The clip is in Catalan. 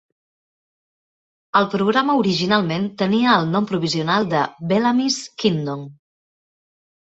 El programa originalment tenia el nom provisional de "Bellamy's Kingdom".